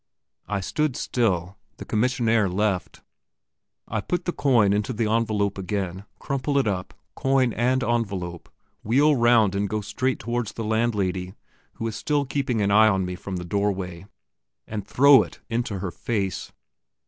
I stood still. The commissionaire left. I put the coin into the envelope again, crumple it up, coin and envelope, wheel round and go straight towards the landlady, who is still keeping an eye on me from the doorway, and throw it in her face.